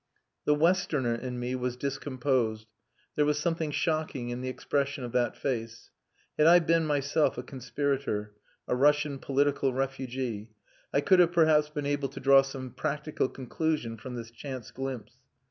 The westerner in me was discomposed. There was something shocking in the expression of that face. Had I been myself a conspirator, a Russian political refugee, I could have perhaps been able to draw some practical conclusion from this chance glimpse.